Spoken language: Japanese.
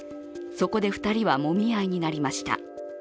そこで２人はもみ合いになりました